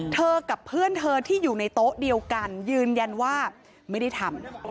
เธอกับเพื่อนเธอที่อยู่ในโต๊ะเดียวกันยืนยันว่าไม่ได้ทำ